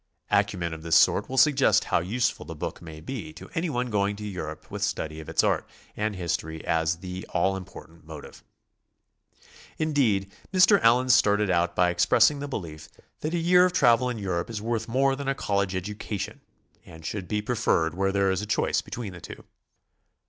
Acumen of this sort will suggest how useful the book may be to anyone going to Europe with study of its art and history as the all important motive. Indeed, Mr. Allen started out by expressing the belief that a year ol travel in Europe is worth more than a college educa tion, and should be preferred were there choice between the two.